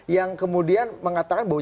yang kemudian mengatakan bahwa